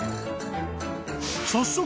［早速］